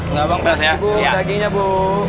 udah bang bu dagingnya bu